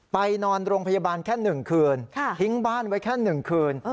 ไปนอนโรงพยาบาลแค่๑คืนทิ้งบ้านไว้แค่๑คืน